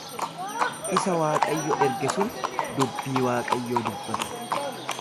Isa Waaqayyo erge sun dubbii Waaqayyoo dubbata.